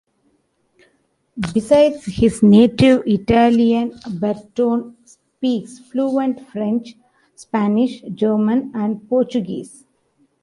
Besides his native Italian, Bertone speaks fluent French, Spanish, German and Portuguese.